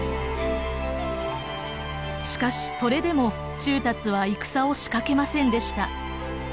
しかしそれでも仲達は戦を仕掛けませんでした。